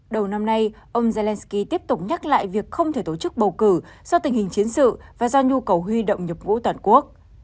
đầu năm nay ông zelensky tiếp tục nhắc lại việc không thể tổ chức bầu cử do tình hình chiến sự và do nhu cầu huy động nhập ngũ toàn quốc